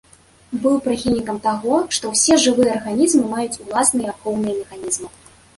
Быў прыхільнікам таго, што ўсе жывыя арганізмы маюць уласныя ахоўныя механізмы.